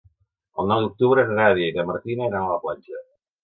El nou d'octubre na Nàdia i na Martina iran a la platja.